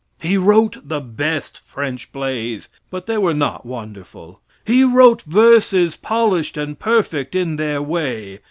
He wrote the best French plays but they were not wonderful. He wrote verses polished and perfect in their way.